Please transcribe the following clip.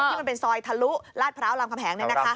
มันเป็นซอยทะลุลาดพร้าวรามคำแหง